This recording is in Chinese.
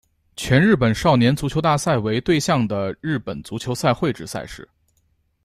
全日本少年足球大赛为对象的日本足球赛会制赛事。